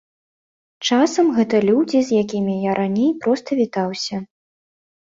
Часам гэта людзі, з якімі я раней проста вітаўся.